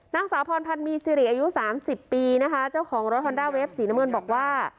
นางสาวพรพันธ์มีสิริอายุสามสิบปีนะคะเจ้าของรถฮอนด้าเวฟสีน้ำเงินบอกว่า